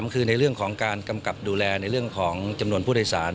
คือในเรื่องของการกำกับดูแลในเรื่องของจำนวนผู้โดยสาร